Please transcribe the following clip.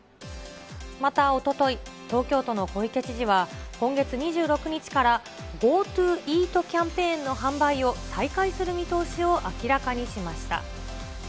またおととい、東京都の小池知事は、今月２６日から、ＧｏＴｏイートキャンペーンの販売を再開する見通しを明らかにしました。